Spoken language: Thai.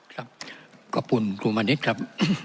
ครับขอบคุณครูมณิชครับ